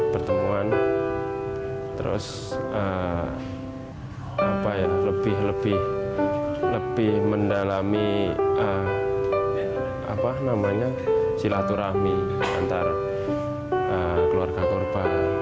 pertemuan terus lebih mendalami silaturahmi antar keluarga korban